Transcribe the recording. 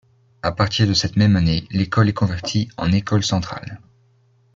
À partir de cette même année, l'école est convertie en école centrale.